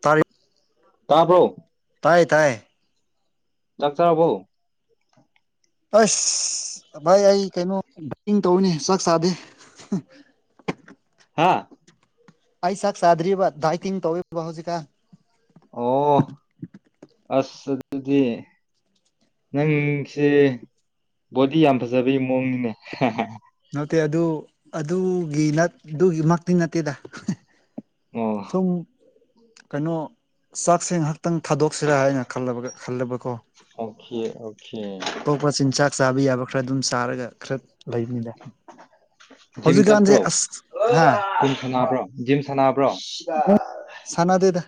ꯇꯥꯔꯤ ꯇꯥꯕ꯭ꯔꯣ ꯇꯥꯏ ꯇꯥꯏ ꯆꯥꯛ ꯆꯥꯔꯕꫭ ꯑꯁ ꯚꯥꯏ ꯑꯩ ꯀꯩꯅꯣ ꯗꯥꯏꯇꯤꯡ ꯇꯧꯋꯤꯅꯦ ꯆꯥꯛ ꯆꯥꯗꯦ ꯍꯥꯥ ꯑꯩ ꯆꯥꯛ ꯆꯥꯗ꯭ꯔꯤꯕꯥ ꯗꯥꯏꯇꯤꯡ ꯇꯧꯋꯦꯕ ꯍꯧꯖꯤꯛꯀꯥꯟ ꯑꯣ ꯑꯁ ꯑꯗꯨꯗꯤ ꯅꯪꯁꯤ ꯕꯣꯗꯤ ꯌꯥꯝ ꯐꯖꯕꯒꯤ ꯃꯑꯣꯡꯅꯤꯅꯦ ꯅꯠꯇꯦ ꯑꯗꯨ ꯑꯗꯨꯒꯤ ꯅꯠ ꯑꯗꯨꯒꯤ ꯃꯛꯇꯤ ꯅꯠꯇꯦꯗ ꯁꯨꯝ ꯑꯣ ꯀꯩꯅꯣ ꯆꯥꯛꯁꯦ ꯉꯍꯥꯛ ꯈꯤꯇꯪ ꯊꯥꯗꯣꯛꯁꯤꯔꯥ ꯍꯥꯏꯅ ꯈꯜꯂꯥ ꯈꯜꯂꯕꯀꯣ ꯑꯣꯀꯦ ꯑꯣꯀꯦ ꯄꫭꯠꯁꯤꯡ ꯆꯥꯛ ꯆꯥꯕ ꯌꯥꯕ ꯈꯔ ꯑꯗꯨꯝ ꯆꯥꯔꯒ ꯈꯔ ꯂꯩꯕꯅꯤꯗ ꯖꯤꯝ ꯍꯧꯖꯤꯛꯀꯥꯟꯁꯦ ꯆꯠꯄ꯭ꯔꯣ ꯑꯁ ꯍꯥ ꯖꯤꯝ ꯁꯥꯟꯅꯕ꯭ꯔꯣ ꯖꯤꯝ ꯁꯥꯟꯅꯕ꯭ꯔꯣ ꯁꯥꯟꯅꯗꯦꯗ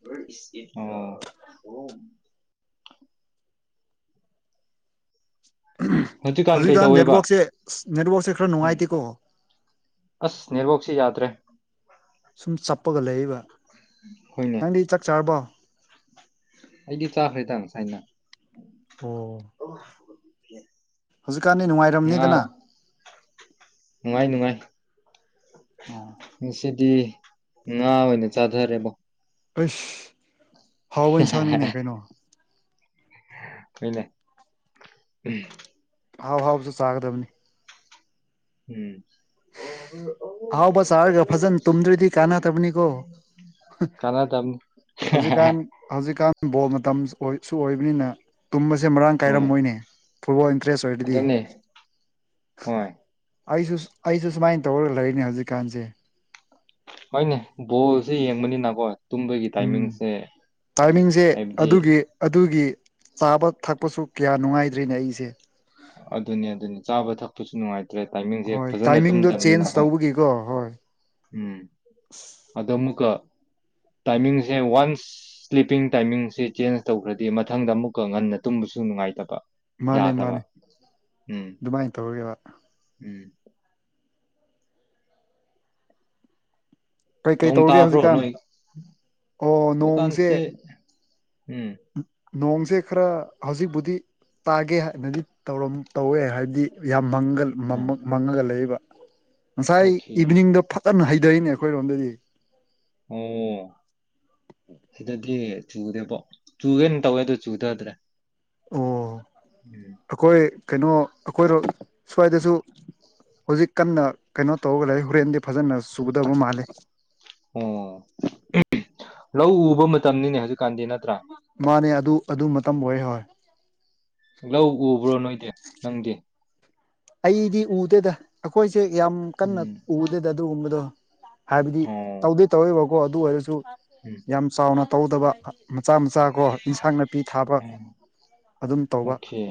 ꯍꯣꯔꯦꯟ ꯏꯁꯇꯦꯁ [unintelligible] ꯍꯧꯖꯤꯛꯀꯥꯟ ꯅꯦꯠꯋꯥꯛꯁꯦ ꯑꯁ ꯅꯦꯠꯋꯥꯛꯁꯦ ꯈꯔ ꯎꯝ ꯅꯨꯡꯉꯥꯏꯇꯦꯀꯣ ꯑꯁ ꯅꯦꯠꯋꯥꯛꯁꯦ ꯌꯥꯗ꯭ꯔꯦ ꯁꯨꯝ ꯆꯞꯄꯒ ꯂꯩꯌꯦꯕ ꯍꫭꯏꯅꯦ ꯅꯪꯗꯤ ꯆꯥꯛ ꯆꯥꯔꯕꯣ ꯑꯩꯗꯤ ꯆꯥꯈ꯭ꯔꯦꯗ ꯉꯁꯥꯏꯅ ꯑꯣ ꯍꯧꯖꯤꯛꯀꯥꯟꯗꯤ ꯉꯥ ꯅꯨꯡꯉꯥꯏꯔꯝꯅꯤꯗꯅ ꯅꯨꯡꯉꯥꯏ ꯅꯨꯡꯉꯥꯏ ꯑꯥ ꯉꯁꯤꯗꯤ ꯉꯥ ꯑꯣꯏꯅ ꯆꯥꯊꯔꯦꯕꯣ ꯑꯁ ꯍꯥꯎꯕ ꯏꯟꯁꯥꯡꯅꯤꯅꯦ ꯀꯩꯅꯣ꯫ ꯍꫭꯏꯅꯦ ꯎꯝ ꯑꯍꯥꯎ ꯑꯍꯥꯎꯁꯨ ꯆꯥꯒꯗꯕꯅꯤ꯫ ꯎꯝ꯫ [inaudible] ꯑꯍꯥꯎꯕ ꯆꯥꯔꯒ ꯐꯖꯅ ꯇꯨꯝꯗ꯭ꯔꯗꯤ ꯀꯥꯟꯅꯗꯕꯅꯤꯀꯣ ꯀꯥꯟꯅꯗꯥꯝꯅꯤ ꯍꯧꯖꯤꯛꯀꯥꯟ ꯍꯧꯖꯤꯛꯀꯥꯟ ꯕꯣꯜ ꯃꯇꯝ ꯁꯨ ꯑꯣꯏ ꯁꯨ ꯑꯣꯏꯕꯅꯤꯅ ꯇꯨꯝꯕꯁꯦ ꯃꯔꯥꯡ ꯍꯣꯏ ꯀꯥꯏꯔꯝꯃꯣꯏꯅꯦ ꯐꯨꯠꯕꯣꯜ ꯏꯟꯇꯔꯦꯁ ꯑꯣꯏꯔꯗꯤ ꯑꯗꯨꯅꯦ ꯍꯣꯏ ꯑꯩꯁꯨ ꯑꯩꯁꯨ ꯁꯨꯃꯥꯏꯅ ꯇꯧꯔꯒ ꯂꯩꯅꯤ ꯍꯧꯖꯤꯛꯀꯥꯟꯁꯦ꯫ ꯍꯣꯏꯅꯦ ꯕꯣꯜꯁꯦ ꯌꯦꯡꯕꯅꯤꯅꯈꯣꯏ ꯎꯝ ꯇꯥꯏꯃꯤꯡꯁꯦ ꯍꯥꯏꯕꯗꯤ ꯑꯗꯨꯒꯤ ꯑꯗꯨꯒꯤ ꯆꯥꯕ ꯊꯛꯄꯁꯨ ꯀꯌꯥ ꯅꯨꯡꯉꯥꯏꯗ꯭ꯔꯤꯅꯦ ꯑꯩꯁꯦ꯫ ꯑꯗꯨꯅꯤ ꯑꯗꯨꯅꯤ ꯆꯥꯕ ꯊꯛꯄꯁꯨ ꯅꯨꯡꯉꯥꯏ ꯇꯥꯔꯦ ꯇꯥꯏꯝꯃꯤꯡꯁꯦ ꯍꯣꯏ ꯐꯖꯅꯥ ꯇꯥꯏꯃꯤꯡꯗꯣ ꯆꯦꯟꯖ ꯇꯨꯝꯗꯕꯅꯤꯅꯀꯣ꯫ ꯇꯧꯕꯒꯤꯀꯣ ꯍꯣꯏ ꯎꯝ ꯑꯗꯨꯝꯀꫭ ꯇꯥꯏꯝꯃꯤꯡꯁꯦ ꯋꯥꯟꯁ ꯁ꯭ꯂꯤꯞꯄꯤꯡ ꯇꯥꯏꯃꯤꯡꯁꯦ ꯆꯦꯟꯖ ꯇꯧꯈ꯭ꯔꯗꯤ ꯃꯊꯪꯗ ꯑꯃꯨꯛꯀ ꯉꯟꯅ ꯇꯨꯝꯕꯁꯨ ꯅꯨꯡꯉꯥꯏꯇꯕ ꯃꯥꯅꯦ ꯌꯥꯗꯕ ꯃꯥꯅꯦ ꯎꯝ꯫ ꯑꯗꯨꯃꯥꯏ ꯇꯧꯔꯦꯕ ꯎꯝ꯫ ꯀꯩꯀꯩ ꯅꫭꯡ ꯇꯧꯔꯒꯦ ꯇꯥꯕ꯭ꯔꯣ ꯍꯧꯖꯤꯛꯀꯥꯟ ꯅꯣꯏ ꯑꯣ ꯍꯧꯖꯤꯛꯀꯥꯟꯁꯦ ꯅꯣꯡꯁꯦ ꯎꯝ ꯅꯣꯡꯁꯦ ꯈꯔ ꯍꯧꯖꯤꯛꯕꯨꯗꯤ ꯇꯥꯒꯦ ꯍꯥꯏꯅꯗꯤ ꯇꯧꯔꯝ ꯇꯧꯋꯦ ꯍꯥꯏꯕꯗꯤ ꯌꯥꯝ ꯃꯪꯒꯜ ꯎꯝ ꯃꯝꯃꯥ ꯃꯪꯃꯒꯥ ꯂꯩꯕ ꯉꯁꯥꯏ ꯑꯣꯀꯦ ꯏꯚꯅꯤꯡꯗꫭ ꯐꯠ ꯐꯖꯅꯥ ꯍꯩꯊꯩꯅꯦ ꯑꯩꯈꯣꯏꯔꯣꯝꯗꯗꯤ ꯑꯣ ꯁꯤꯗꯗꯤ ꯆꯨꯗꯦꯕꯣ ꯆꯨꯒꯦꯅ ꯇꯧꯋꯦ ꯑꯗꯨ ꯆꯨꯊꯗ꯭ꯔꯦ ꯑꯣ ꯎꯝ‌꯫ ꯑꯩꯈꯣꯏ ꯀꯩꯅꯣ ꯑꯩꯈꯣꯏꯔꯣ ꯁ꯭ꯋꯥꯏꯗꯁꯨ ꯍꯧꯖꯤꯛ ꯀꯟꯅ ꯀꯩꯅꯣ ꯇꯧꯔꯒ ꯂꯩ ꯍꯣꯔꯦꯟꯗꯤ ꯐꯖꯅꯥ ꯆꯨꯒꯗꯕ ꯃꯥꯜꯂꯦ ꯫ ꯑꯣ ꯎꯝ ꯂꯧ ꯎꯕ ꯃꯇꯝꯅꯤꯅꯦ ꯍꯧꯖꯤꯛꯀꯥꯟꯗꯤ ꯅꯠꯇ꯭ꯔꯥ ꯃꯥꯅꯦ ꯑꯗꯨ ꯑꯗꯨ ꯃꯇꯝ ꯑꯣꯏ ꯍꯣꯏ ꯂꯧ ꯎꯕ꯭ꯔꯣ ꯅꯣꯏꯗꯤ ꯅꯪꯗꯤ꯫ ꯑꯩꯗꯤ ꯎꯗꯦꯗ ꯑꯩꯈꯣꯏꯁꯦ ꯌꯥꯝ ꯀꯟꯅ ꯎꯝ ꯎꯗꯦꯗ ꯑꯗꯨꯒꯨꯝꯕꯗꯣ ꯍꯥꯏꯕꯗꯤ ꯑꯣ ꯇꯧꯗꯤ ꯇꯧꯑꯦꯕꯀꯣ ꯑꯗꯨ ꯑꯣꯏꯔꯁꯨ ꯎꯝ꯫ ꯌꯥꯝ ꯆꯥꯎꯅ ꯇꯧꯗꯕ ꯃꯆꯥ ꯃꯆꯥ ꯀꯣ ꯏꯟꯁꯥꯡ ꯅꯥꯄꯤ ꯊꯥꯕ ꯎꯝ ꯑꯗꯨꯝ ꯇꯧꯕ꯫ ꯑꯣꯀꯦ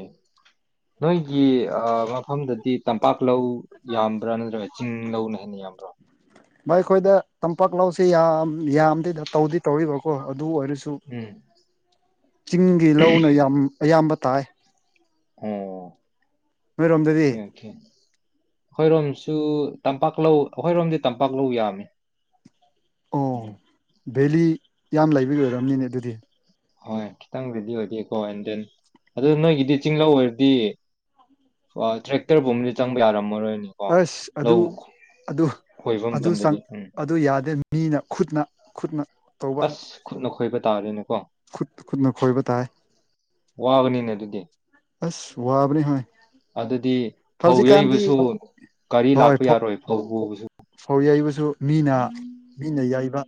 ꯅꯣꯏꯒꯤ ꯑꯥ ꯃꯐꯝꯗꯗꯤ ꯇꯝꯄꯥꯛ ꯂꯧ ꯌꯥꯝꯕ꯭ꯔꯥ ꯅꯠꯇ꯭ꯔꯒ ꯆꯤꯡ ꯂꯧꯅ ꯍꯦꯟꯅ ꯌꯥꯝꯕ꯭ꯔꫭ꯫ ꯕꯥꯏ ꯑꯩꯈꯣꯏꯗ ꯇꯝꯄꯥꯛ ꯂꯧꯁꯤ ꯌꯥꯝ ꯌꯥꯝꯗꯦꯗ ꯇꯧꯗꯤ ꯇꯧꯔꯤꯕ꯭ꯔꯣꯀꯣ ꯑꯗꯨ ꯑꯣꯏꯔꯁꯨ ꯁꯨ ꯎꯝ ꯆꯤꯡꯒꯤ ꯂꯧꯅ ꯌꯥꯝ ꯑꯌꯥꯝꯕ ꯇꯥꯏ꯫ ꯑꯣ ꯅꯣꯏꯔꯣꯝꯗꯗꯤ ꯈꯦ ꯈꯦ ꯑꯩꯈꯣꯏꯔꯣꯝꯁꯨ ꯇꯝꯄꯥꯛꯂꯧ ꯑꯩꯈꯣꯏꯔꯣꯝꯗꯤ ꯇꯝꯄꯥꯛꯂꯧ ꯌꯥꯝꯃꯤ ꯑꯣ ꯎꯝ ꯚꯦꯂꯤ ꯌꯥꯝ ꯂꯩꯕꯒꯤ ꯑꯣꯏꯔꯝꯅꯤꯅꯦ ꯑꯗꯨꯗꯤ ꯍꯣꯏ ꯈꯤꯇꯪ ꯔꯦꯗꯤ ꯑꯣꯏꯗꯦꯀꯣ ꯑꯦꯟ ꯗꯦꯟ ꯑꯗꯣ ꯅꯣꯏꯒꯤꯗꯤ ꯆꯤꯡꯂꯧ ꯑꯣꯏꯔꯗꯤ ꯑꯣ ꯇ꯭ꯔꯦꯛꯇꯔꯒꯨꯝꯕꯗꯤ ꯆꯪꯕ ꯌꯥꯔꯝꯃꯔꯣꯏꯅꯦ ꯑꯁ ꯑꯗꯨ ꯑꯗꯨ ꯈꯣꯏꯕ ꯑꯗꯨ ꯆꯪ ꯃꯇꯝꯗꯗꯤ ꯎꯝ ꯑꯗꯨ ꯌꯥꯗꯦ ꯃꯤꯅ ꯈꯨꯠꯅ ꯈꯨꯠꯅ ꯇꯧꯕ ꯑꯁ ꯈꯨꯠꯅ ꯈꯣꯏꯕ ꯇꯥꯔꯦꯅꯦꯀꯣ ꯈꯨꯠ ꯈꯨꯠꯅ ꯈꯣꯏꯕ ꯇꯥꯏ ꯋꯥꯕꯅꯤꯅꯦ ꯑꯗꯨꯗꯤ ꯑꯁ ꯋꯥꯕꯅꯤ ꯍꯣꯏ ꯑꯗꯨꯗꯤ ꯐꯧ ꯍꯧꯖꯤꯛꯀꯥꯟꯗꯤ ꯌꯩꯕꯁꯨ ꯒꯥꯔꯤ ꯂꯥꯛꯄ ꯌꯥꯔꯣꯏ ꯐꯧ ꯄꯨꯕꯁꯨ ꯐꯧ ꯌꯩꯕꯁꯨ ꯃꯤꯅ ꯃꯤꯅ ꯌꯥꯩꯕ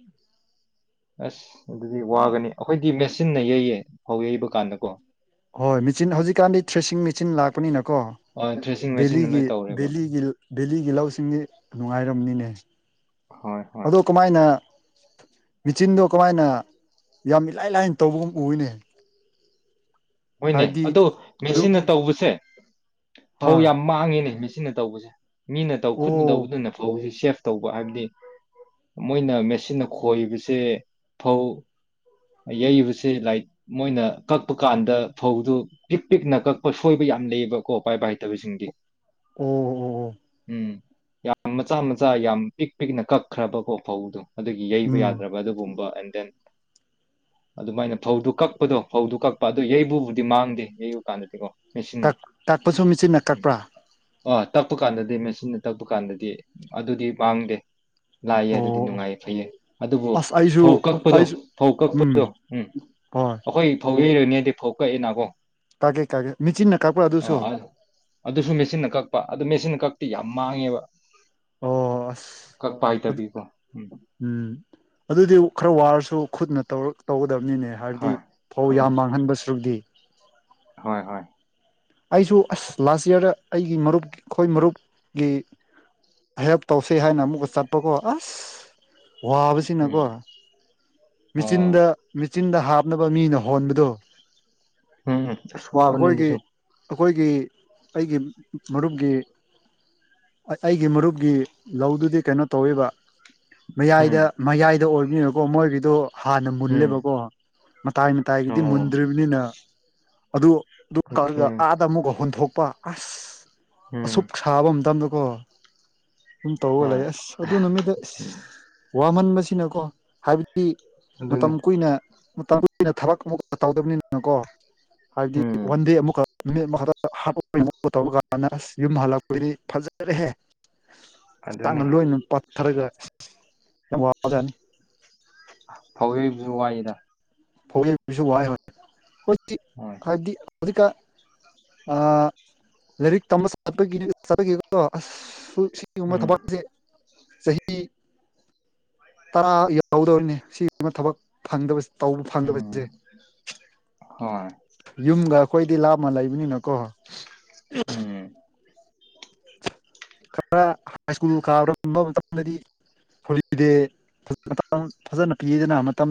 ꯑꯁ ꯑꯗꯨꯗꯤ ꯋꯥꯒꯅꯤ ꯑꯩꯈꯣꯏꯗꯤ ꯃꯦꯆꯤꯟꯅ ꯌꯩꯌꯦ ꯐꯧ ꯌꯩꯕ ꯀꯥꯟꯗ ꯀꯣ ꯍꯣꯏ ꯃꯦꯆꯤꯟ ꯍꯧꯖꯤꯛꯀꯥꯟꯗꯤ ꯊ꯭ꯔꯦꯁꯤꯡ ꯃꯦꯆꯤꯟ ꯂꯥꯛꯄꯅꯤꯅꯀꯣ ꯑ ꯊ꯭ꯔꯦꯁꯤꯡ ꯃꯦꯆꯤꯟꯅ ꯕꯦꯂꯤꯒꯤ ꯂꯣꯏ ꯇꯧꯔꯦꯕ ꯕꯦꯂꯤꯒꯤ ꯕꯦꯂꯤꯒꯤ ꯂꯧꯁꯤꯡꯗꯤ ꯅꯨꯡꯉꯥꯏꯔꯝꯅꯤꯅꯦ ꯍꯣꯏ ꯍꯣꯏ ꯑꯗꯣ ꯀꯃꯥꯏꯅ ꯃꯦꯆꯤꯟꯗꯣ ꯀꯃꯥꯏꯅ ꯌꯥꯝ ꯏꯂꯥꯏ ꯂꯥꯏꯅ ꯇꯧꯕꯒꯨꯝ ꯎꯏꯅꯦ ꯍꯣꯏꯅꯦ ꯍꯥꯏꯕꯗꯤ ꯑꯗꯣ ꯑꯗꯨꯝ ꯃꯦꯆꯤꯟꯅ ꯇꯧꯕꯁꯦ ꯐꯧ ꯍꯣꯏ ꯌꯥꯝ ꯃꯥꯡꯉꯦꯅꯦ ꯁꯤꯅ ꯇꯧꯕꯁꯦ ꯃꯤꯅ ꯇꯧ ꯈꯨꯠꯅ ꯑꯣ ꯇꯧꯕꯗꯨꯅꯦ ꯐꯧꯁꯤ ꯁꯦꯐ ꯇꯧꯕ ꯍꯥꯏꯕꯗꯤ ꯃꯣꯏꯅ ꯃꯦꯆꯤꯟꯅ ꯈꯣꯏꯕꯁꯦ ꯐꯧ ꯌꯩꯕꯁꯦ ꯂꯥꯏꯠ ꯃꯣꯏꯅ ꯀꯛꯄ ꯀꯥꯟꯗ ꯐꯧꯗꯨ ꯄꯤꯛ ꯄꯤꯛꯅ ꯀꯛꯄ ꯁꯣꯏꯕ ꯌꯥꯝ ꯂꯩꯌꯦꯕꯀꯣ ꯄꯥꯏꯕ ꯍꯥꯏꯇꯕꯁꯤꯡꯗꯤ ꯑꯣ ꯑꯣ ꯑꯣ ꯎꯝ ꯌ ꯃꯆꯥ ꯃꯆꯥ ꯌꯥꯝ ꯄꯤꯛ ꯄꯤꯛꯅ ꯀꯛꯈ꯭ꯔꯕꯀꯣ ꯐꯧꯗꯣ ꯑꯗꯨꯒꯤ ꯌꯩꯕ ꯎꯝ ꯌꯥꯗ꯭ꯔꯕ ꯑꯗꯨꯒꯨꯝꯕ ꯑꯦꯟ ꯗꯦꯟ ꯑꯗꯨꯃꯥꯏꯅ ꯐꯧꯗꯨ ꯀꯛꯄꯗꯣ ꯐꯧꯗꯨ ꯀꯛꯄ ꯑꯗꯨ ꯌꯩꯕꯨ ꯎꯗꯤ ꯃꯥꯡꯗꯦ ꯌꯩꯕ ꯀꯥꯟꯗꯗꯤꯀꯣ ꯃꯦꯆꯤꯟꯅ ꯇꯛ ꯇꯛꯄꯁꯨ ꯃꯦꯆꯤꯟꯅ ꯎꯝ ꯀꯛꯄ꯭ꯔꯥ ꯑ ꯇꯛꯄ ꯀꯥꯟꯗꯗꯤ ꯃꯦꯆꯤꯟꯅ ꯇꯛꯄ ꯀꯥꯟꯗꯗꯤ ꯑꯗꯨꯗꯤ ꯃꯥꯡꯗꯦ ꯂꯥꯏꯌꯦ ꯑꯗꯨꯗꯤ ꯑꯣ ꯅꯨꯡꯉꯥꯏꯌꯦ ꯐꯩꯌꯦ ꯑꯗꯨꯕꯨ ꯑꯁ ꯑꯩꯁꯨ ꯐꯧ ꯀꯛꯄꯗꯣ ꯑꯩꯁꯨ ꯐꯧ ꯎꯝ ꯀꯛꯄꯗꯣ ꯎꯝ ꯍꯣꯏ ꯑꯩꯈꯣꯏ ꯐꯧ ꯌꯩꯔꯅꯦꯗꯤ ꯐꯧ ꯀꯛꯏꯅꯥꯀꯣ ꯀꯥꯛꯏ ꯀꯥꯛꯏ ꯃꯦꯆꯤꯟꯅ ꯀꯥꯛꯄ꯭ꯔ ꯑꯗꯨꯁꯨ ꯑꯗꯨꯁꯨ ꯃꯦꯆꯤꯟꯅ ꯀꯛꯄ ꯑꯗꯨ ꯃꯦꯆꯤꯟꯅ ꯀꯛꯇꯤ ꯌꯥꯝ ꯃꯥꯡꯉꯦꯕ ꯑꯣ ꯑꯁ ꯀꯛꯄ ꯑꯗꯨ ꯍꯩꯇꯕꯤꯀꯣ ꯎꯝ ꯎꯝ ꯑꯗꯨꯗꯤ ꯈꯔ ꯋꯥꯔꯁꯨ ꯈꯨꯠꯅ ꯇꯧꯔ ꯇꯧꯒꯗꯕꯅꯤꯅꯦ ꯍꯥꯏꯕꯗꯤ ꯍꯣꯏ ꯐꯧ ꯈꯅ ꯌꯥꯝ ꯃꯥꯡꯍꯟꯕ ꯁ꯭ꯔꯨꯗꯤ ꯍꯣꯏ ꯍꯣꯏ ꯑꯩꯁꯨ ꯑꯁ ꯂꯥꯁ ꯏꯌꯥꯔꯗ ꯑꯩꯒꯤ ꯃꯔꯨꯞ ꯑꯩꯈꯣꯏ ꯃꯔꯨꯞꯀꯤ ꯍꯦꯜꯞ ꯇꯧꯁꯤ ꯍꯥꯏꯅ ꯑꯃꯨꯛꯀ ꯆꯠꯄꯀꯣ ꯑꯁ ꯋꯥꯕꯁꯤꯅꯀꯣ ꯎꯝ ꯑꯣ ꯎꯝ ꯃꯦꯆꯤꯟꯗ ꯃꯦꯆꯤꯟꯗ ꯍꯥꯞꯅꯕ ꯃꯤꯅ ꯍꯣꯟꯕꯗꯣ ꯎꯝ ꯑꯁ ꯋꯥꯕꯅꯦ ꯑꯩꯈꯣꯏꯒꯤ ꯑꯗꯨꯁꯨ ꯑꯩꯈꯣꯏꯒꯤ ꯑꯩꯒꯤ ꯃꯔꯨꯞꯒꯤ ꯑꯩꯒꯤ ꯃꯔꯨꯞꯀꯤ ꯂꯧꯗꯨꯗꯤ ꯀꯩꯅꯣ ꯇꯧꯋꯦꯕ ꯎꯝ ꯃꯌꯥꯏꯗ ꯃꯌꯥꯏꯗ ꯑꯣꯏꯕꯅꯤꯅꯀꯣ ꯃꯣꯏꯒꯤꯗꯣ ꯍꯥꯟꯅ ꯎꯝ ꯃꯨꯜꯂꯦꯕꯀꯣ ꯃꯇꯥꯏ ꯃꯇꯥꯏꯒꯤꯗꯤ ꯑꯣ ꯃꯨꯟꯗ꯭ꯔꯤꯕꯅꯤꯅ ꯑꯗꯨ ꯑꯗꯨ ꯑꯣꯀꯦ ꯀꯛꯂꯒ ꯑꯃꯨꯛꯀ ꯍꯨꯟꯊꯣꯛꯄ ꯑꯁ ꯎꯝ ꯑꯁꯨꯛ ꯁꯥꯕ ꯃꯇꯝꯗꯀꯣ ꯑꯗꯨꯝ ꯇꯧꯔꯒ ꯍꯣꯏ ꯂꯩꯌꯦ ꯑꯁ ꯑꯗꯨ ꯅꯨꯃꯤꯠꯇꯣ ꯏꯁ ꯋꯥꯃꯟꯕꯁꯤꯅꯀꯣ ꯍꯥꯏꯕꯗꯤ ꯑꯗꯨꯅꯤ ꯃꯇꯝ ꯀꯨꯏꯅ [unintelligible] ꯊꯕꯛ ꯑꯃꯨꯛ ꯇꯧꯗꯕꯅꯤꯅꯀꯣ ꯍꯥꯏꯕꯗꯤ ꯎꯝ ꯋꯥꯟꯗꯦ ꯑꯃꯨꯛꯀ ꯅꯨꯃꯤꯠ ꯑꯃ [unintelligible] ꯌꯨꯝ ꯍꯜꯂꯛꯄꯩꯗꯤ ꯐꯖꯔꯦꯍꯦ ꯑꯗꯨꯅꯤ ꯆꯥꯡꯅ ꯂꯣꯏꯅ ꯄꯥꯊꯔꯒ ꯌꯥꯝ ꯋꯥꯖꯅꯤ꯫ ꯍꯧꯖꯤꯛꯁꯨ ꯋꯥꯏꯗ꯫ ꯍꯧꯖꯤꯛꯄꯨꯁꯨ ꯋꯥꯏ ꯍꯣꯏ [unintelligible] ꯍꯣꯏ ꯍꯥꯏꯕꯗꯤ ꯍꯧꯖꯤꯛꯀꯥꯟ ꯑ ꯂꯥꯏꯔꯤꯛ ꯇꯝꯕ [unintelligible] ꯑꯁ ꯒꯨꯝꯕ ꯎꯝ ꯊꯕꯛꯁꯦ ꯆꯍꯤ ꯇꯔꯥ ꯌꯧꯗꯧꯅꯦ ꯁꯤ ꯑꯃ ꯊꯕꯛ ꯐꯪꯗꯕꯁꯤ ꯇꯧꯕ ꯐꯪꯗꯕꯁꯦ ꯎꯝ ꯍꯣꯏ ꯌꯨꯝꯒ ꯑꯈꯣꯏꯗꯤ ꯂꯥꯞꯅ ꯂꯩꯕꯅꯤꯅꯀꯣ ꯎꯝ ꯈꯔ ꯍꯥꯏ ꯁ꯭ꯀꯨꯜ ꯀꯥꯔꯝꯕ ꯃꯇꯝꯗꯗꯤ [unintelligible] ꯐꯖꯅ ꯄꯤꯗꯅ ꯃꯇꯝ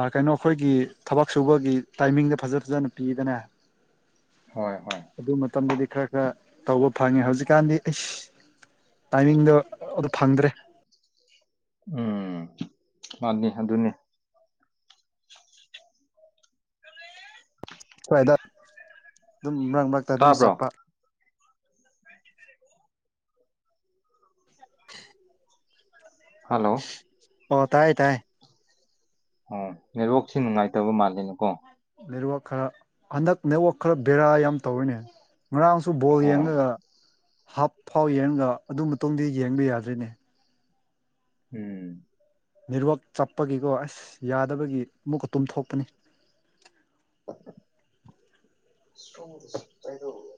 ꯑꯥ ꯀꯩꯅꯣ ꯈꯣꯏꯒꯤ ꯊꯕꯛ ꯁꯨꯕꯒꯤ ꯇꯥꯏꯃꯤꯡꯗ ꯐꯖ ꯐꯖꯅ ꯄꯤꯗꯅ꯫ ꯍꯣꯏ ꯍꯣꯏ ꯑꯗꯨ ꯃꯇꯝꯗꯗꯤ ꯈꯔ ꯈꯔ ꯇꯧꯕ ꯐꯪꯉꯦ ꯍꯧꯖꯤꯛꯀꯥꯟꯗꯤ ꯑꯩꯁ ꯇꯥꯏꯃꯤꯡꯗꯣ ꯑꯗꯨ ꯐꯪꯗ꯭ꯔꯦ꯫ ꯎꯝ ꯃꯥꯅꯤ ꯑꯗꯨꯅꯤ꯫ ꯁ꯭ꯋꯥꯏꯗ ꯑꯗꯨꯝ ꯃꯔꯛ ꯃꯔꯛꯇ ꯑꯗꯨꯝ ꯇꯥꯕ꯭ꯔꯣ ꯆꯠꯄ꯫ ꯍꯜꯂꯣ ꯑꯣ ꯇꯥꯏ ꯇꯥꯏ ꯑꯣ ꯅꯦꯠꯋꯥꯛꯁꯤ ꯅꯨꯡꯉꯥꯏꯇꯕ ꯃꯥꯜꯂꯦꯅꯦꯀꯣ꯫ ꯅꯦꯠꯋꯥꯛ ꯈꯔ ꯍꯟꯗꯛ ꯅꯦꯠꯋꯥꯛ ꯈꯔ ꯕꯦꯔꯥ ꯌꯥꯝ ꯇꯧꯔꯤꯅꯦ꯫ ꯉꯔꯥꯡꯁꯨ ꯕꯣꯜ ꯍꯣꯏ ꯌꯦꯡꯉꯒ ꯍꯥꯞ ꯐꯥꯎ ꯌꯦꯡꯉꯒ ꯑꯗꯨ ꯃꯇꯨꯡꯗꯤ ꯌꯦꯡꯕ ꯌꯥꯗ꯭ꯔꯤꯅꯦ꯫ ꯎꯝ ꯅꯤꯠꯋꯥꯛ ꯆꯠꯄꯒꯤꯀꯣ ꯑꯁ ꯌꯥꯗꯕꯒꯤ ꯑꯃꯨꯛꯀ ꯇꯨꯝꯊꯣꯛꯄꯅꯤ꯫ [unintelligible]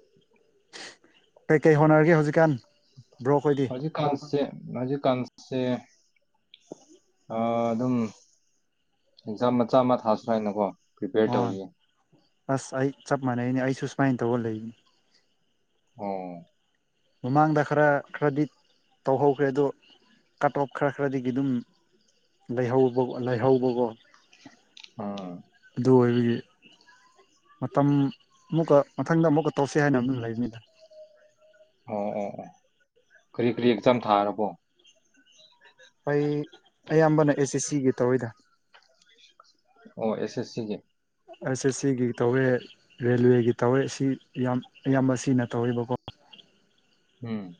ꯀꯩꯀꯩ ꯍꯣꯠꯅꯔꯒꯦ ꯍꯧꯖꯤꯛꯀꯥꯟ ꯕ꯭ꯔꯣ ꯈꯣꯏꯗꯤ? ꯍꯧꯖꯤꯛꯀꯥꯟꯁꯦ ꯍꯧꯖꯤꯛꯀꯥꯟꯁꯦ ꯑꯥ ꯑꯗꯨꯝ ꯑꯦꯛꯖꯥꯝ ꯃꯆꯥ ꯑꯃ ꯊꯥꯁꯤꯔꯥ ꯍꯥꯏꯅꯀꯣ ꯄ꯭ꯔꯤꯄꯦꯌꯔ ꯑꯣ ꯇꯧꯔꯤꯌꯦ꯫ ꯑꯁ ꯑꯩ ꯆꯞ ꯃꯥꯟꯅꯩꯅꯦ ꯑꯩꯁꯨ ꯁꯨꯃꯥꯏꯟ ꯇꯧꯔꯒ ꯂꯩꯕꯅꯤ꯫ ꯑꯣ ꯃꯃꯥꯡꯗ ꯈꯔ ꯈꯔꯗꯤ ꯇꯧꯍꯧꯈ꯭ꯔꯦ ꯑꯗꯣ ꯀꯠ ꯑꯣꯞ ꯈꯔ ꯈꯔꯗꯒꯤ ꯑꯗꯨꯝ ꯂꯩꯍꯧꯕ ꯂꯩꯍꯧꯕꯒꯣ꯫ ꯑꯥ ꯑꯗꯨ ꯑꯣꯏꯕꯒꯤ ꯃꯇꯝ ꯑꯃꯨꯛꯀ ꯃꯊꯪꯗ ꯑꯃꯨꯛꯀ ꯇꯧꯁꯤ ꯍꯥꯏꯅ ꯑꯗꯨꯝ ꯂꯩꯕꯅꯤꯗ꯫ ꯑꯣ ꯑꯣ ꯑꯣ ꯀꯔꯤ ꯀꯔꯤ ꯑꯦꯛꯖꯥꯝ ꯊꯥꯔꯕꯣ? ꯑꯩ ꯑꯌꯥꯝꯕꯅ ꯑꯦꯁ ꯑꯦꯁ ꯁꯤꯒꯤ ꯇꯧꯏꯗ꯫ ꯑꯣ ꯑꯦꯁ ꯑꯦꯁ ꯁꯤ ꯒꯤ꯫ ꯑꯦꯁ ꯑꯦꯁ ꯁꯤꯒꯤ ꯇꯧꯋꯦ ꯔꯦꯜꯋꯦꯒꯤ ꯇꯧꯋꯦ ꯁꯤ ꯌꯥꯝ ꯏꯌꯥꯝꯕꯁꯤꯅ ꯇꯧꯋꯦꯕꯀꯣ ꯎꯝ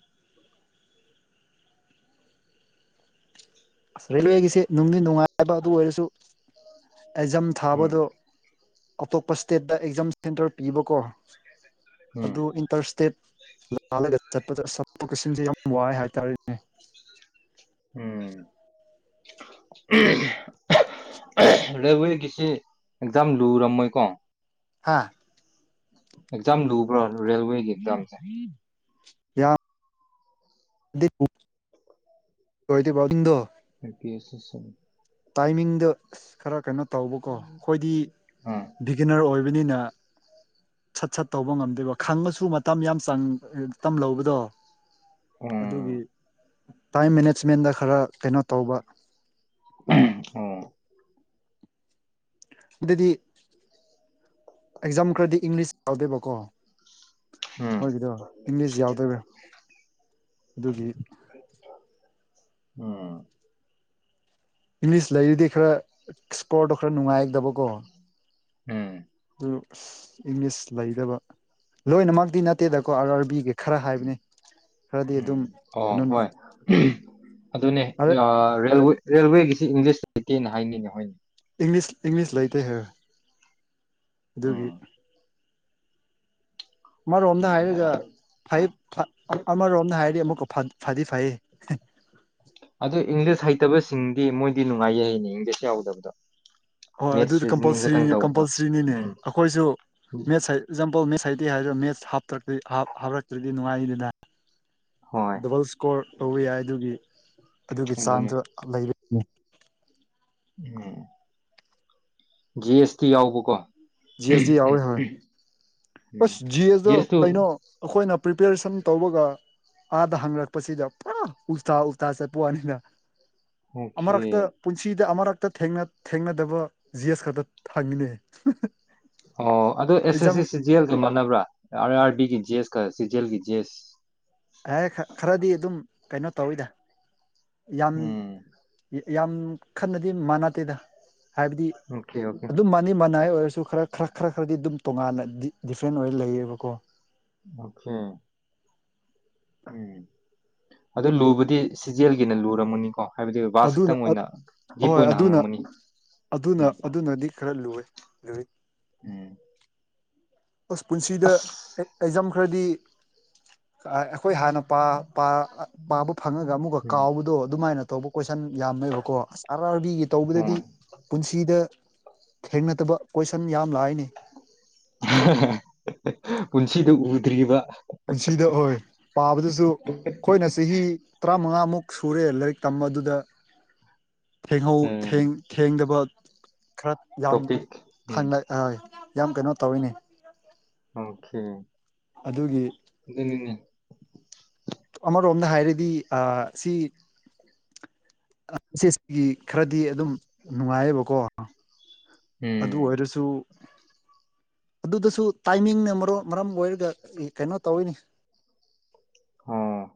ꯑꯁ ꯔꯦꯜꯋꯦꯒꯤꯁꯦ ꯅꯨꯡꯗꯤ ꯅꯨꯡꯉꯥꯏꯕ ꯑꯗꯨ ꯑꯣꯏꯔꯁꯨ ꯑꯦꯖꯝ ꯎꯝ ꯊꯥꯕꯗꯣ ꯑꯇꯣꯞꯄ ꯏꯁꯇꯦꯠꯇ ꯑꯦꯛꯖꯥꯝ ꯁꯦꯟꯇꯔ ꯄꯤꯕꯀꯣ ꯎꯝ ꯑꯗꯨ ꯏꯟ ꯇꯔ ꯏꯁꯇꯦꯠ ꯂꯥꯜꯂꯒ ꯆꯠꯄꯗ ꯑꯁ ꯆꯠꯊꯣꯛ ꯆꯠꯁꯤꯟꯁꯦ ꯌꯥꯝ ꯋꯥꯏ ꯍꯥꯏꯇꯥꯔꯦꯅꯦ ꯎꯝ [inaudible] ꯔꯦꯜꯋꯦꯒꯤꯁꯤ ꯑꯦꯛꯖꯥꯝ ꯂꯨꯔꯝꯃꯣꯏꯀꯣ ꯍꯥꯥ ꯑꯦꯛꯖꯝ ꯂꯨꯕ꯭ꯔꯥ ꯔꯦꯜꯋꯦ [inaudible] ꯗꯤꯞ ꯄꯨ ꯂꯣꯏꯔꯗꯤ ꯄꯥꯎꯗꯤꯡꯗꯣ ꯍꯥꯏꯄꯤꯌꯦ ꯁꯦꯁꯟ ꯇꯥꯏꯃꯤꯡꯗ ꯑꯁ ꯈꯔ ꯀꯩꯅꯣ ꯇꯧꯕꯀꯣ ꯑꯩꯈꯣꯏꯗꯤ ꯕꯤꯒꯤꯅꯔ ꯑꯣꯏꯕꯅꯤꯅ ꯁꯠ ꯁꯠ ꯇꯧꯕ ꯉꯝꯗꯦꯕ ꯈꯪꯉꯁꯨ ꯃꯇꯝ ꯌꯥꯝ ꯆꯪ ꯑꯥ ꯇꯝ ꯂꯧꯕꯗꯣ ꯎꯝ ꯑꯗꯨꯒꯤ ꯎꯝ ꯇꯥꯏꯝ ꯃꯦꯅꯦꯖꯃꯦꯟꯗ ꯈꯔ ꯀꯩꯅꯣ ꯇꯧꯕ ꯑꯣ ꯎꯗꯗꯤ ꯑꯦꯛꯖꯥꯝ ꯈꯔꯗꯤ ꯏꯪꯂꯤꯁ ꯌꯥꯎꯗꯦꯕꯀꯣ ꯎꯝ ꯃꯣꯏꯒꯤꯗꯣ ꯏꯪꯂꯤꯁ ꯌꯥꯎꯗꯣꯏꯕ꯭ꯔꯥ ꯑꯗꯨꯒꯤ ꯑꯥ ꯏꯪꯂꯤꯁ ꯂꯩꯔꯗꯤ ꯈꯔ ꯏꯁꯀꯣꯔꯗꯣ ꯈꯔ ꯅꯨꯡꯉꯥꯏꯗꯕꯀꯣ ꯎꯝ ꯑꯗꯨ ꯑꯁ ꯏꯪꯂꯤꯁ ꯂꯩꯗꯕ ꯂꯣꯏꯅꯃꯛꯇꯤ ꯅꯠꯇꯦꯗꯀꯣ ꯑꯥꯔ ꯑꯥꯔꯕꯤꯒ ꯈꯔ ꯍꯥꯏꯕꯅꯦ ꯎꯝ ꯑꯣ ꯍꯣꯏ ꯑꯗꯨꯅꯦ ꯑꯔꯦ ꯑꯥ ꯔꯦꯜꯋꯦ__ ꯔꯦꯜꯋꯦꯒꯤꯁꯤ ꯏꯪꯂꯤꯁ ꯂꯩꯇꯦꯅ ꯍꯥꯏꯅꯤꯅꯦ ꯍꯣꯏꯅꯦ ꯏꯪꯂꯤꯁ ꯏꯪꯂꯤꯁ ꯂꯩꯇꯦ ꯍꯥꯏꯔ ꯑꯗꯨꯒꯤ ꯎꯝ ꯑꯃꯔꯣꯝꯗ ꯎꯝ ꯍꯥꯏꯔꯒ ꯌꯥꯔꯦ ꯐꯩ ꯍꯣꯏ ꯆꯣ ꯐꯥ ꯑ ꯑꯃꯔꯣꯝꯅ ꯍꯥꯏꯔꯗꯤ ꯑꯃꯨꯛꯀ ꯐꯥꯗ ꯐꯗꯤ ꯐꯩꯌꯦ ꯑꯗꯨ ꯏꯪꯂꯤꯁ ꯍꯩꯇꯕꯁꯤꯡꯗꯤ ꯃꯣꯏꯗꯤ ꯅꯨꯡꯉꯥꯏꯌꯦ ꯍꯥꯏꯅꯦ ꯏꯪꯂꯤꯁ ꯌꯥꯎꯗꯕꯗꯣ ꯍꯣꯏ ꯑꯗꯨꯗꯤ ꯃꯦꯠꯁ ꯔꯤꯖꯅꯤꯡ ꯈꯛꯇꯪ ꯀꯝꯄꯜꯁ꯭ꯔꯤꯅꯤ ꯇꯧꯕꯗꯣ ꯀꯝꯄꯜꯁ꯭ꯔꯤꯅꯤꯅꯦ ꯎꯝ ꯑꯩꯈꯣꯏꯁꯨ ꯃꯦꯖ ꯍꯩ ꯑꯦꯛꯖꯥꯝꯄꯜ ꯃꯦꯠꯁ ꯍꯥꯏꯇꯦ ꯍꯥꯏꯔ ꯃꯦꯁ ꯍꯥꯞꯇ꯭ꯔꯗꯤ ꯍꯥꯞ ꯍꯥꯞꯔꯛꯇ꯭ꯔꯗꯤ ꯅꯨꯡꯉꯥꯏꯅꯤꯅ ꯍꯣꯏ ꯗꯕꯜ ꯏꯁꯀꯣꯔ ꯇꯧꯔ ꯌꯥꯏ ꯑꯗꯨꯒꯤ ꯑꯗꯨꯒꯤ ꯑꯗꯨꯅꯦ ꯆꯥꯡꯗ ꯂꯩꯔꯦꯅꯦ ꯎꯝ ꯖꯤ ꯑꯦꯁ ꯇꯤ ꯌꯥꯎꯕꯀꯣ ꯖꯤ ꯑꯦꯁ ꯇꯤ ꯌꯥꯎꯋꯦ ꯎꯝ ꯍꯣꯏ ꯎꯝ ꯑꯁ ꯖꯤ ꯑꯦꯁꯇꯣ ꯑꯦꯁ ꯇꯨ ꯀꯩꯅꯣ ꯑꯩꯈꯣꯏꯅ ꯄ꯭ꯔꯤꯄꯦꯔꯦꯁꯟ ꯇꯧꯕꯒ ꯑꯥꯗ ꯍꯥꯡꯔꯛꯄꯁꯤꯗ ꯄꯨꯔꯥ ꯎꯜꯇꯥ ꯎꯜꯇꯥ ꯆꯠꯄ ꯋꯥꯅꯤꯗ ꯑꯣꯀꯦ ꯑꯃꯔꯛꯇ ꯄꯨꯟꯁꯤꯗ ꯑꯃꯔꯛꯇ ꯊꯦꯡꯅ ꯊꯦꯡꯅꯗꯕ ꯖꯤꯑꯦꯁ ꯈꯛꯇ ꯍꯪꯉꯤꯅꯦ ꯑꯣ ꯑꯗꯨ ꯑꯦꯁ ꯑꯦꯛꯖꯥꯝ ꯑꯦꯁ ꯁꯤ ꯁꯤꯖꯦꯜꯒ ꯃꯥꯟꯅꯕ꯭ꯔꯥ ꯑꯥꯔ ꯑꯥꯔ ꯕꯤꯒꯤ ꯖꯦꯁꯀ ꯁꯤꯖꯦꯜꯒꯤ ꯖꯤꯑꯦꯁ ꯑꯦ ꯈꯥ ꯈꯔꯗꯤ ꯑꯗꯨꯝ ꯀꯩꯅꯣ ꯇꯧꯋꯤꯗ ꯌꯥꯝ ꯎꯝ ꯌꯦ ꯌꯥꯝ ꯈꯟꯅꯗꯤ ꯃꯥꯟꯅꯗꯦꯗ ꯍꯥꯏꯕꯗꯤ ꯑꯣꯀꯦ ꯑꯣꯀꯦ ꯑꯗꯨꯝ ꯃꯥꯟ ꯅꯤ ꯃꯅꯥꯏ ꯑꯣꯏꯔꯁꯨ ꯈꯔ ꯈꯔ ꯈꯔ ꯈꯔꯗꯤ ꯗꯨꯝ ꯇꯣꯉꯥꯟꯅ ꯗꯤ ꯗꯤꯐ꯭ꯔꯦꯟ ꯑꯣꯏꯔ ꯂꯩꯌꯦꯕꯀꯣ ꯑꯣꯈꯦ ꯑꯪ ꯑꯗꯨ ꯂꯨꯕꯗꯤ ꯁꯤꯖꯦꯜꯒꯤꯅ ꯂꯨꯔꯝꯃꯅꯤꯀꯣ ꯍꯥꯏꯕꯗꯤ ꯚꯥꯁ ꯑꯗꯨꯅ ꯈꯤꯇꯪ ꯑꯠ ꯑꯣꯏꯅ ꯗꯤꯞ ꯍꯣꯏ ꯑꯣꯏꯅ ꯑꯗꯨꯅ ꯍꯪꯉꯝꯃꯅꯤ ꯑꯗꯨꯅ ꯎꯝ ꯑꯗꯨꯅꯗꯤ ꯈꯔ ꯂꯨꯋꯦ ꯔꯨꯍꯤꯠ ꯎꯝ ꯑꯁ ꯄꯨꯟꯁꯤꯗ ꯑꯁ ꯑꯦꯛ ꯑꯦꯛꯖꯥꯝ ꯈꯔꯗꯤ ꯑꯥ ꯑꯩꯈꯣꯏ ꯍꯥꯟꯅ ꯄꯥ ꯄꯥ ꯑꯥ ꯄꯥꯕ ꯐꯪꯉꯒ ꯑꯃꯨꯛꯀ ꯎꯝ ꯀꯥꯎꯕꯗꯣ ꯑꯗꯨꯃꯥꯏꯅ ꯇꯧꯕ ꯀꯣꯏꯁꯟ ꯌꯥꯝꯃꯦꯕꯀꯣ ꯑꯔ ꯑꯥꯔꯕꯤꯒꯤ ꯇꯧꯕꯗꯗꯤ ꯍꯣꯏ ꯄꯨꯟꯁꯤꯗ ꯊꯦꯡꯅꯗꯕ ꯀꯣꯏꯁꯟ ꯌꯥꯝ ꯂꯥꯛꯏ ꯅꯦ ꯄꯨꯟꯁꯤꯗ ꯎꯗ꯭ꯔꯤꯕ ꯄꯨꯟꯁꯤꯗ ꯍꯣꯏ ꯄꯥꯕꯗꯁꯨ ꯑꯩꯈꯣꯏꯅ ꯆꯍꯤ ꯇꯔꯥꯃꯉꯥꯃꯨꯛ ꯁꯨꯔꯦ ꯂꯥꯏꯔꯤꯛ ꯇꯝꯕ ꯑꯗꯨꯗ ꯊꯦꯡꯍꯧ ꯎꯝ ꯊꯦꯡ ꯊꯦꯡꯗꯕ ꯈꯔ ꯌꯥꯝ ꯇꯣꯄꯤꯛ ꯎꯝ ꯈꯟ ꯑꯣꯏ ꯌꯥꯝ ꯀꯩꯅꯣ ꯇꯧꯋꯤꯅꯦ ꯑꯣꯀꯦ ꯑꯗꯨꯒꯤ ꯑꯗꯨꯅꯤꯅꯦ ꯑꯃꯔꯣꯝꯗ ꯍꯥꯏꯔꯗꯤ ꯁꯤ ꯑꯁꯤ ꯑꯁꯤꯒꯤ ꯈꯔꯗꯤ ꯑꯗꯨꯝ ꯅꯨꯡꯉꯥꯏꯌꯦꯕꯀꯣ ꯑꯗꯨ ꯎꯝ ꯑꯣꯏꯔꯁꯨ ꯑꯗꯨꯗꯁꯨ ꯇꯥꯏꯃꯤꯡꯅ ꯃꯔ ꯃꯔꯝ ꯑꯣꯏꯔꯒ ꯀꯩꯅꯣ ꯇꯧꯋꯤꯅꯤ ꯑꯣ